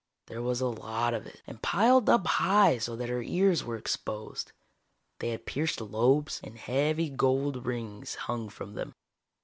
There was a lot of it, and piled up high so that her ears were exposed. They had pierced lobes, and heavy gold rings hung from them.